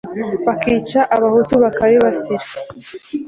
bakica abahutu bakabibasira